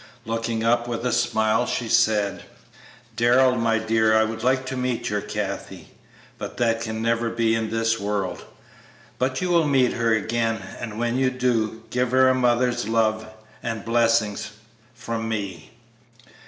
Looking up with a smile, she said, "Darrell, my dear, I would like to meet your 'Kathie,' but that can never be in this world. But you will meet her again, and when you do, give her a mother's love and blessing from me."